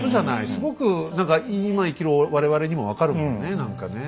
すごく何か今生きる我々にも分かるもんね何かね。